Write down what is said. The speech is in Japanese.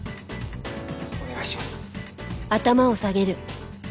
お願いします。